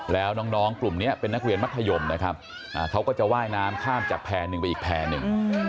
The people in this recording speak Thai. แล้วน้องกลุ่มนี้เป็นนักเรียนมัธยมนะครับเขาก็จะว่ายน้ำข้ามจากแพร่หนึ่งไปอีกแพร่หนึ่ง